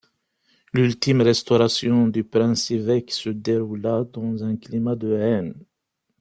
L'ultime restauration du prince-évêque se déroula dans un climat de haine.